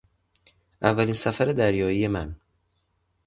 اولین سفر دریایی من